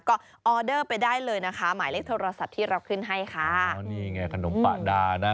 ก็ออเดอร์ไปได้เลยนะคะหมายเลขโทรศัพท์ที่เราขึ้นให้ค่ะอ๋อนี่ไงขนมปะดานะ